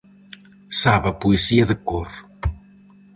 Sabe a poesía de cor.